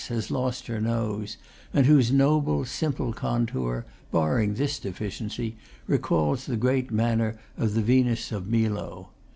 has lost her nose, and whose noble, simple contour, barring this deficiency, recalls the great manner of the Venus of Milo.